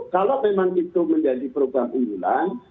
kalau memang itu menjadi program unggulan